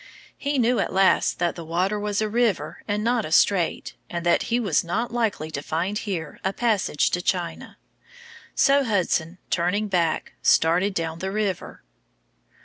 He knew at last that the water was a river and not a strait, and that he was not likely to find here a passage to China. So Hudson, turning back, started down the river.